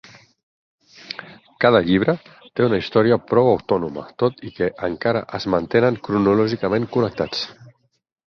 Cada llibre té una història prou autònoma, tot i que encara es mantenen cronològicament i connectats.